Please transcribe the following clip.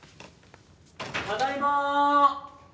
ただいま！